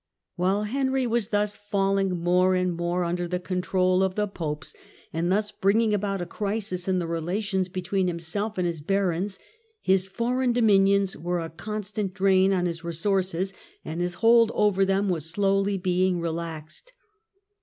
While Henry was thus falling more and more imder the control of the popes, and thus bringing about a crisis The revolt in in the relations between himself and his Gaecony. barons, his foreign dominions were a con stant drain on his resources, and his hold over them was slowly being relaxed.